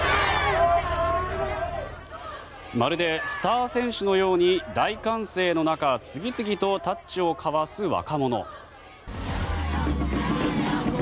まるでスター選手のように大歓声の中次々とタッチを交わす若者。